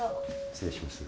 失礼します。